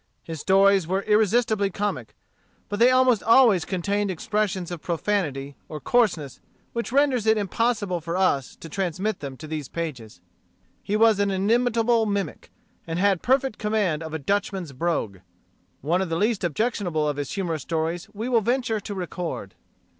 His stories were irresistibly comic; but they almost always contained expressions of profanity or coarseness which renders it impossible for us to transmit them to these pages. He was an inimitable mimic, and had perfect command of a Dutchman's brogue. One of the least objectionable of his humorous stories we will venture to record.